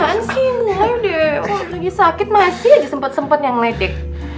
lagi sakit masih aja sempet sempet yang ledek